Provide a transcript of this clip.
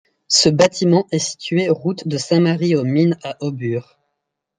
Ce bâtiment est situé route de Sainte Marie aux Mines à Aubure.